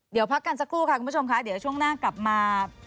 เดี๋ยวพักกันสักครู่ค่ะคุณผู้ชมค่ะเดี๋ยวช่วงหน้ากลับมา